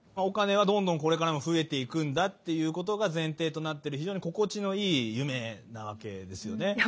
お金はどんどんこれからも増えていくんだっていうことが前提となってる非常に心地のいい夢なわけですよね。